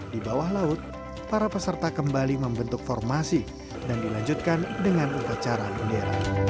di bawah laut para peserta kembali membentuk formasi dan dilanjutkan dengan upacara bendera